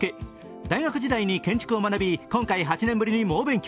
大学時代に建築を学び、今回８年ぶりに猛勉強。